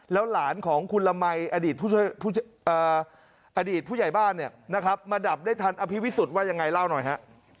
แล้วหลานของคุณละมัยอดีตผู้ใหญ่บ้านเนี่ยนะครับมาดับได้ทันอภิวิสุทธิ์ว่ายังไงเล่าหน่อยฮะ